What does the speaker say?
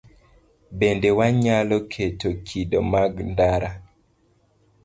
Bende wanyalo keto kido mag ndara